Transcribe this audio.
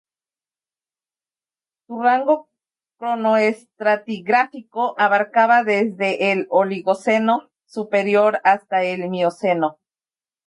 Su rango cronoestratigráfico abarcaba desde el Oligoceno superior hasta el Mioceno.